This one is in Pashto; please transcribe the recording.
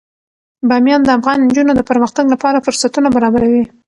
بامیان د افغان نجونو د پرمختګ لپاره فرصتونه برابروي.